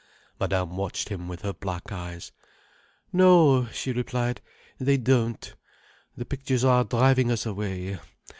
Madame watched him with her black eyes. "No," she replied. "They don't. The pictures are driving us away.